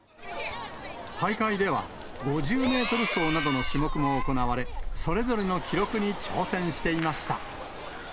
大会では５０メートル走などの種目も行われ、それぞれの記録に挑戦していました。